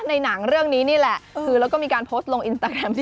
ในหนังเรื่องนี้นี่แหละคือแล้วก็มีการโพสต์ลงอินสตาแกรมที่